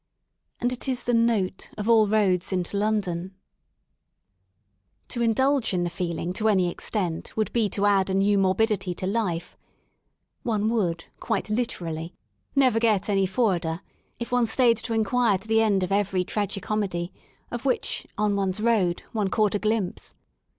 And it is the note " of all roads into London, To indulge in the feeling to any extent would be to add a new morbidity to life One would, quite literally, never get any forwarder if one stayed to inquire to the end of every tragi comedy of which, on one's road, one caught a glimpse.